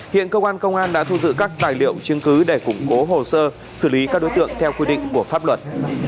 hiện công an đã thu dự các tài liệu chứng cứ để củng cố hồ sơ xử lý các đối tượng theo quy định của pháp luật